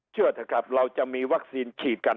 เชื่อเถอะครับเราจะมีวัคซีนฉีดกัน